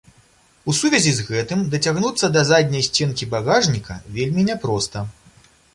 У сувязі з гэтым дацягнуцца да задняй сценкі багажніка вельмі няпроста.